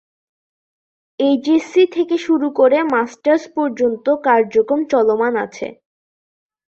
HSC থেকে শুরু করে মাস্টার্স পর্যন্ত কার্যক্রম চলমান আছে।